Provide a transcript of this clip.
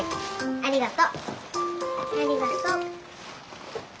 ありがと。